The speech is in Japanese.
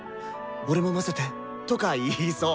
「俺も交ぜて！」とか言いそう。